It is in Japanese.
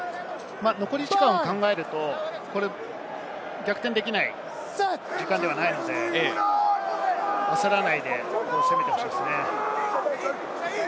残り時間を考えると逆転できない時間ではないので、焦らないで攻めてほしいですね。